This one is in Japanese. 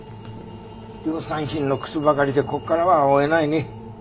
量産品の靴ばかりでここからは追えないね。